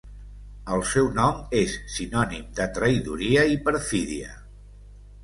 El seu nom és sinònim de traïdoria i perfídia.